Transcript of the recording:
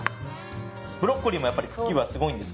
ブロッコリーもやっぱり茎はすごいんですか？